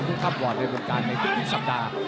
ด้วยความวอดในประกอบการในทุกสัปดาห์